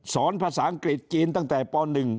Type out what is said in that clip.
สอนภาษาอังกฤษจีนตั้งแต่ป๑